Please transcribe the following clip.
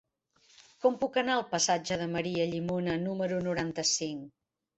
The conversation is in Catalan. Com puc anar al passatge de Maria Llimona número noranta-cinc?